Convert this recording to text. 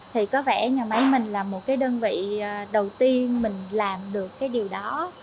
thì có vẻ nhà máy mình là một cái đơn vị đầu tiên mình làm được cái điều đó